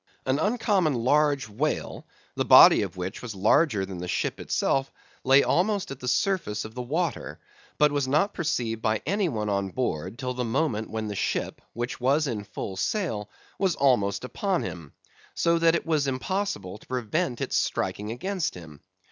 An uncommon large whale, the body of which was larger than the ship itself, lay almost at the surface of the water, but was not perceived by any one on board till the moment when the ship, which was in full sail, was almost upon him, so that it was impossible to prevent its striking against him.